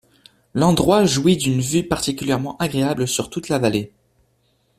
L’endroit jouit d’une vue particulièrement agréable sur toute la vallée.